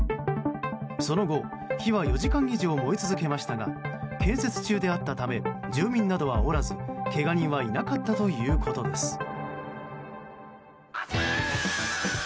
その後、火はおよそ４時間以上燃え続けましたが建設中であったため住民などはおらずけが人はいなかったということです。